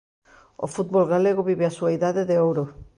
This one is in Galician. O fútbol galego vive a súa idade de ouro.